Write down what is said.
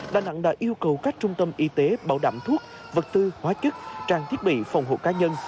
đà nẵng đã yêu cầu các trung tâm y tế bảo đảm thuốc vật tư hóa chất trang thiết bị phòng hộ cá nhân